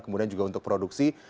kemudian juga untuk produksi